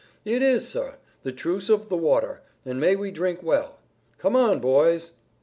"It is, sir; the truce of the water, and may we drink well! Come on, boys!"